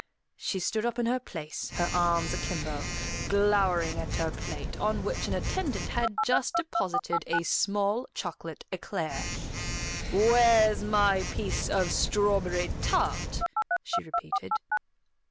She stood up in her place, her arms akimbo, glowering at her plate, on which an attendant had just deposited a small chocolate eclair. "Where's my piece of strawberry tart?" she repeated.